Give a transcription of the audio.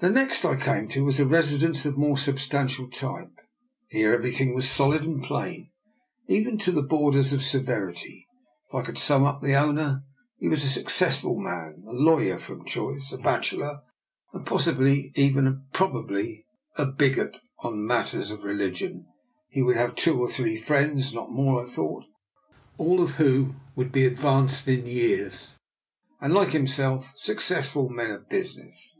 The next I came to was a residence of more substantial type. Here everything was solid and plain, even to the borders of severity. If I could sum up the owner, he was a success ful man, a lawyer from choice, a bachelor, and possibly, and even probably, a bigot on mat 26 DR. NIKOLA'S EXPERIMENT. ters of religion. He would have two or three friends — not more I thought — ^all of whom would be advanced in years, and, like him self, successful men of business.